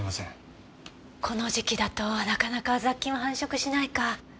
この時期だとなかなか雑菌は繁殖しないか。